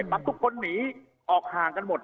ทุกคนหนีออกห่างกันหมด